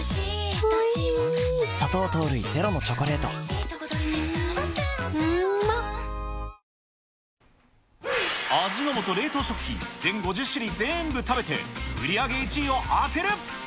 味の素さん、イメージがより強い味の素冷凍食品、全５０種類全部食べて、売り上げ１位を当てる。